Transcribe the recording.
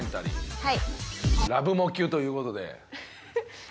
はい。